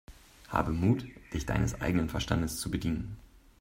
Habe Mut, dich deines eigenen Verstandes zu bedienen!